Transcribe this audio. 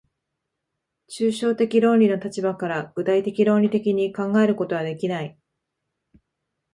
抽象的論理の立場から具体的論理的に考えることはできない。